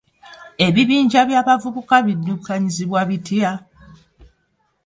Ebibinja by'abavubuka biddukanyizibwa bitya?